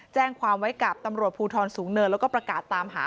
แจ้งความไว้กับตำรวจภูทรสูงเนินแล้วก็ประกาศตามหา